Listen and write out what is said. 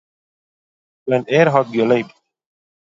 ווען ער האָט געלעבט